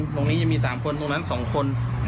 ตรงนี้จะมี๓คนตรงนั้น๒คน